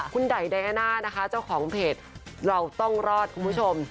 คุณไดอาน่านะคะเจ้าของเพจเราต้องรอดคุณผู้ชม